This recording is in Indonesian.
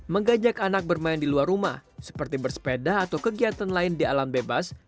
menggajak anak bermain di luar rumah seperti bersepeda atau kegiatan lain di alam bebas